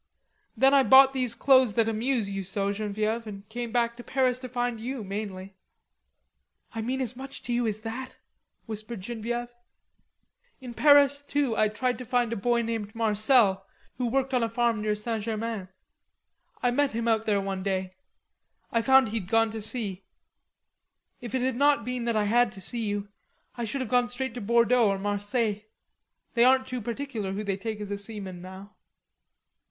Then I bought these clothes that amuse you so, Genevieve, and came back to Paris to find you, mainly." "I mean as much to you as that?" whispered Genevieve. "In Paris, too. I tried to find a boy named Marcel, who worked on a farm near St. Germain. I met him out there one day. I found he'd gone to sea.... If it had not been that I had to see you, I should have gone straight to Bordeaux or Marseilles. They aren't too particular who they take as a seaman now."